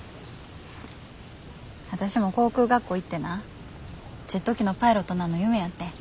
私も航空学校行ってなジェット機のパイロットなんの夢やってん。